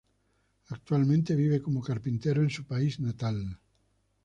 Actualmente vive como carpintero en su país natal.